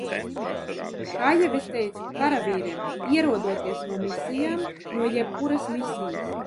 Kā jau es teicu, karavīriem, ierodoties no misijām – no jebkuras misijas!